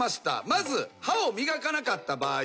まず歯を磨かなかった場合。